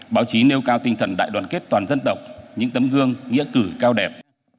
báo chí nêu cao tinh thần đại đoàn kết toàn dân tộc những tấm gương nghĩa cử cao đẹp